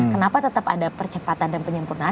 kenapa tetap ada percepatan dan penyempurnaan